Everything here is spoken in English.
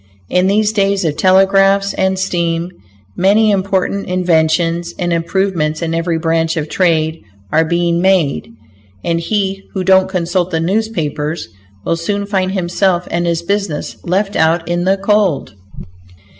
In these days of telegraphs and steam, many important inventions and improvements in every branch of trade are being made, and he who don't consult the newspapers will soon find himself and his business left out in the cold.